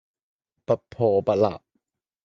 不破不立